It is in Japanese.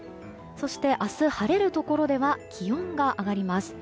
そして明日晴れるところでは気温が上がります。